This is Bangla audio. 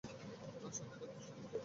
তাঁর সাথীদের কষ্ট দিতে।